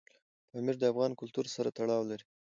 پامیر د افغان کلتور سره تړاو لري.